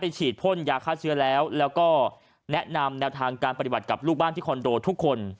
ฉีดพ่นยาฆ่าเชื้อแล้วแล้วก็แนะนำแนวทางการปฏิบัติกับลูกบ้านที่คอนโดทุกคน